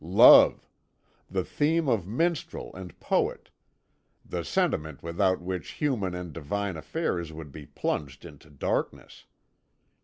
Love the theme of minstrel and poet, the sentiment without which human and divine affairs would be plunged into darkness.